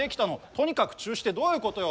とにかく中止ってどういうことよ。